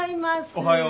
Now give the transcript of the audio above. おはよう。